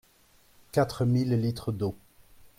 Quatre mille litres d'eau.